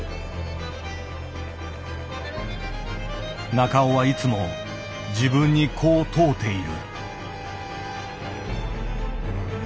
中尾はいつも自分にこう問うている。